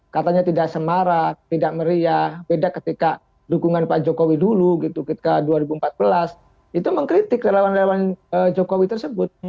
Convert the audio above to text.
katanya tidak semarak tidak meriah beda ketika dukungan pak jokowi dulu gitu ketika dua ribu empat belas itu mengkritik relawan relawan jokowi tersebut